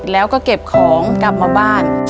แล้วก็เก็บของกลับมาบ้าน